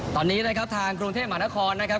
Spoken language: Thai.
ตอนนี้นะครับทางกรุงเทพมหานครนะครับ